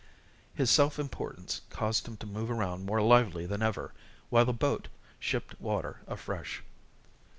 His self importance caused him to move around more lively than ever, while the boat shipped water afresh.